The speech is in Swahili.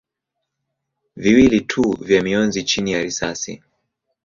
viwili tu vya mionzi chini ya risasi.